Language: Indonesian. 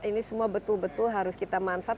ini semua betul betul harus kita manfaat